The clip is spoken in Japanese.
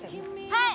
はい！